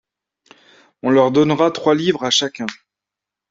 On leur donnera trois livres à chacun.